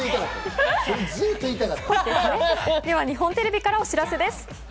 日本テレビからお知らせです。